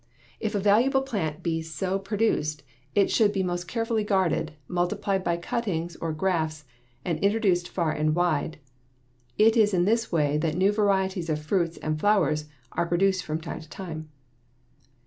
If a valuable plant be so produced, it should be most carefully guarded, multiplied by cuttings or grafts, and introduced far and wide. It is in this way that new varieties of fruits and flowers are produced from time to time.